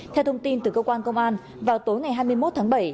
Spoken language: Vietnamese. theo thông tin từ cơ quan công an vào tối ngày hai mươi một tháng bảy